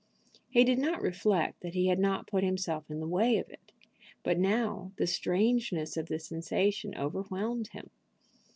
He did not reflect that he had not put himself in the way of it: but now the strangeness of the sensation overwhelmed him.